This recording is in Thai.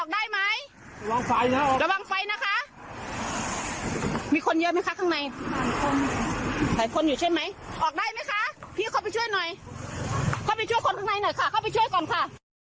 เข้าไปช่วยคนข้างในหน่อยค่ะเข้าไปช่วยก่อนค่ะ